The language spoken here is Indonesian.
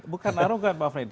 bukan arogan pak fredy